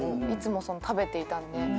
いつも食べていたんで。